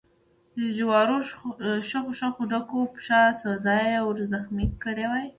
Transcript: چې د جوارو شخو شخو ډکو پښه څو ځایه ور زخمي کړې وه.